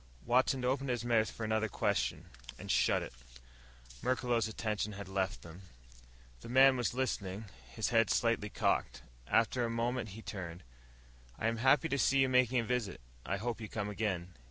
Watson opened his mouth for another question and shut it. Merklos' attention had left them. The man was listening, his head slightly cocked. After a moment he turned. "I am happy to see you making a visit. I hope you come again."